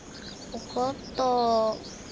分かった。